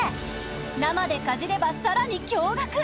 生でかじればさらに驚がく！